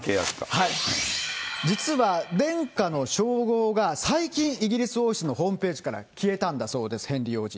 実は殿下の称号が、最近、イギリス王室のホームページから消えたんだそうです、ヘンリー王子。